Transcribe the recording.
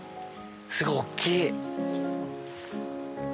すごい大っきい。